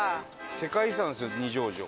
世界遺産ですよ二条城。